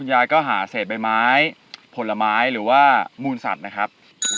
ยายก็หาเศษใบไม้ผลไม้หรือว่ามูลสัตว์นะครับ